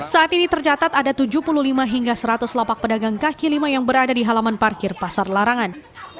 saat ini tercatat ada tujuh puluh lima hingga seratus lapak pedagang kaki lima yang berada di halaman parkir pasar larangan